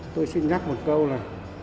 tôi xin nhắc một câu là